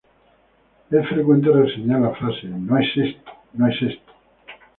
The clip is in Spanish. Es frecuente reseñar la frase “¡No es esto, no es esto!.